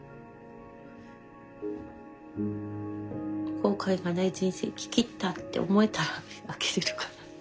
後悔がない人生生ききったって思えたら開けれるかな。